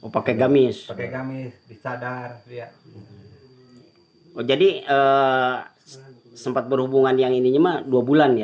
pakai gamis pakai gamis disadar ya jadi sempat berhubungan yang ininya mah dua bulan ya